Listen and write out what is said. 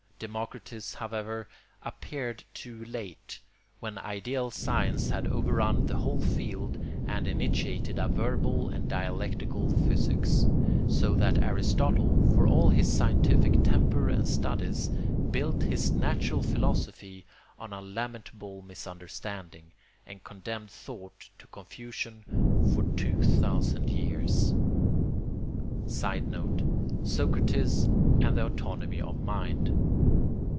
Democritus, however, appeared too late, when ideal science had overrun the whole field and initiated a verbal and dialectical physics; so that Aristotle, for all his scientific temper and studies, built his natural philosophy on a lamentable misunderstanding, and condemned thought to confusion for two thousand years. [Sidenote: Socrates and the autonomy of mind.